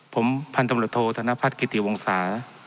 ผมพันธมิตรโทษธนพัฒน์กิติวงศา